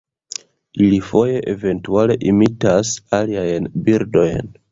Ili foje eventuale imitas aliajn birdojn.